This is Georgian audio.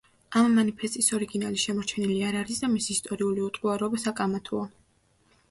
ამ მანიფესტის ორიგინალი შემორჩენილი არ არის და მისი ისტორიული უტყუარობა საკამათოა.